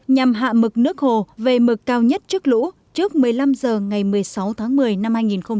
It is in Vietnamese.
nhằm hạ mực nước hồ về mực cao nhất trước lũ trước một mươi năm giờ ngày một mươi sáu tháng một mươi năm hai nghìn hai mươi